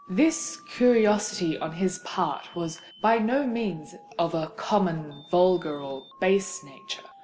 This curiosity on his part was by no means of a common, vulgar, or base nature.